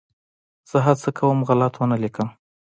زه هڅه کوم غلط ونه ولیکم.